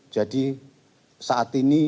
jadi saat ini